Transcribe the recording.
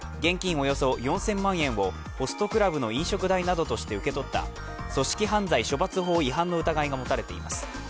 およそ４０００万円をホストクラブの飲食代などとして受け取った組織犯罪処罰法違反の疑いが持たれています。